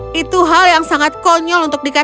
itu hal yang sangat konyol untuk dikatakan